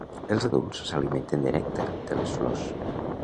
Els adults s'alimenten de nèctar de les flors.